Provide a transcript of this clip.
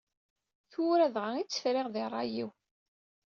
Tura dɣa i-tt friɣ di ṛṛay-iw.